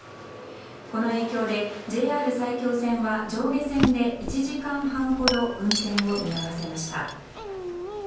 この影響でＪＲ埼京線は上下線で１時間半ほど運転を見合わせました。